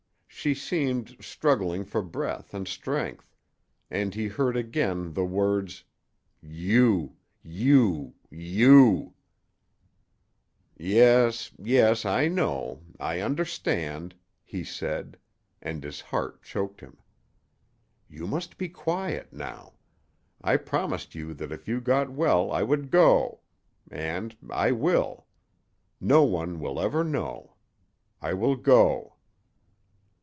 She seemed, struggling for breath and strength, and he heard again the words "You you you " "Yes, yes I know I understand," he said, and his heart choked him. "You must be quiet now. I promised you that if you got well I would go. And I will. No one will ever know. I will go."